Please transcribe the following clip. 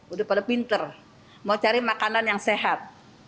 udah pada pinter mau cari makanan yang sehat